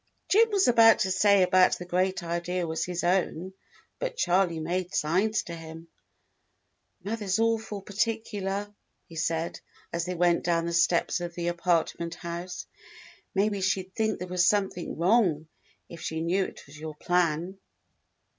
* Jim was about to say that the great idea was his own, but Charley made signs to him. "Mother's awful particular," he said as they went down the steps of the apartment house. "Maybe she 'd think there was something wrong, if she knew it was your plan."